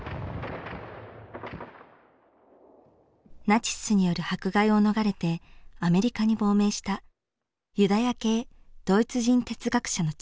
ナチスによる迫害を逃れてアメリカに亡命したユダヤ系ドイツ人哲学者の著書